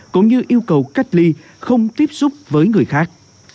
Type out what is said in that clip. cũng như yêu cầu cách ly không tiếp xúc với người khác